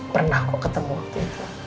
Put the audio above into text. pernah kok ketemu waktu itu